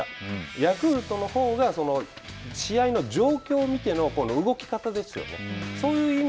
ヤクルトのほうが試合の状況を見ての動き方ですよね。